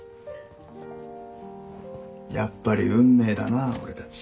やっぱり運命だな俺たち。